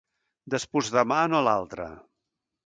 Despús-demà no, l'altre.